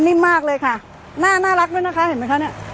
มากเลยค่ะหน้าน่ารักด้วยนะคะเห็นไหมคะเนี่ย